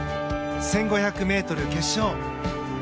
１５００ｍ決勝。